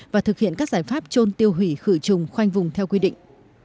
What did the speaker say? và thực hiện các giải pháp trôn tiêu hủy khử trùng khoanh vùng theo quy định